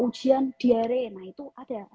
ujian diare nah itu ada